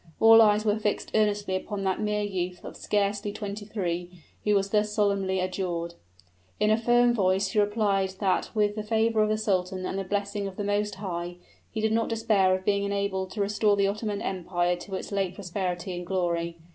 All eyes were fixed earnestly upon that mere youth of scarcely twenty three, who was thus solemnly adjured. In a firm voice he replied that with the favor of the sultan and the blessing of the Most High, he did not despair of being enabled to restore the Ottoman Empire to its late prosperity and glory.